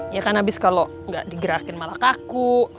iya kan abis kalau gak digerakin malah kaku